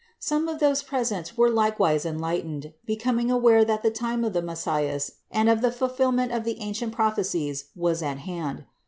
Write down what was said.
Some of those present were likewise enlightened, becoming aware that the time of the Messias and of the fulfillment of the ancient prophecies was at hand.